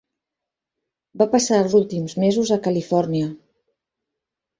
Va passar els últims mesos a Califòrnia.